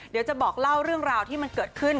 เดี๋ยวจะบอกเล่าเรื่องราวที่มันเกิดขึ้น